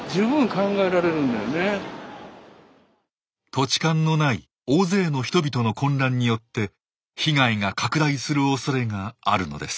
土地勘のない大勢の人々の混乱によって被害が拡大するおそれがあるのです。